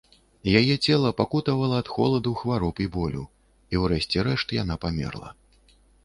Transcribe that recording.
Яе цела пакутавала ад холаду, хвароб і болю, і ўрэшце рэшт яна памерла.